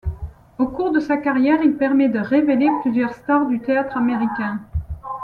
Au cours de sa carrière, il permet de révéler plusieurs stars du théâtre américain.